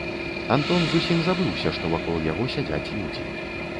Антон зусім забыўся, што вакол яго сядзяць людзі.